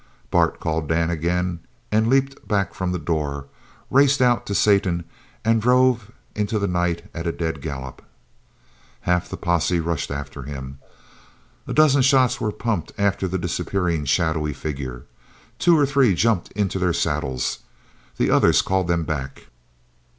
"Bart," called Dan again, and leaped back from the door, raced out to Satan, and drove into the night at a dead gallop. Half the posse rushed after him. A dozen shots were pumped after the disappearing shadowy figure. Two or three jumped into their saddles. The others called them back.